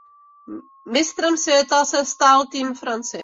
Mistrem světa se stal tým Francie.